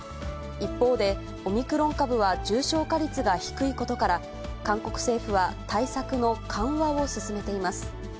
一方で、オミクロン株は重症化率が低いことから、韓国政府は対策の緩和を進めています。